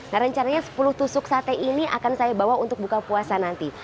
nah rencananya sepuluh tusuk sate ini akan saya bawa untuk buka puasa nanti